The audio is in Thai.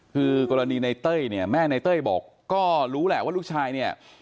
คือกรณีในเต้ยเนี่ยแม่ในเต้ยบอกก็รู้แหละว่าลูกชายเนี่ย